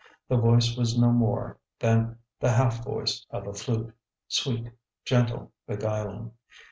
The voice was no more than the half voice of a flute, sweet, gentle, beguiling.